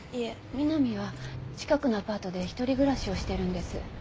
美波は近くのアパートで一人暮らしをしてるんです。